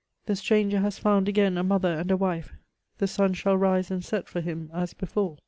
'^ The stranger has found again a mother and a wife ; the sun shall rise and set for him as before."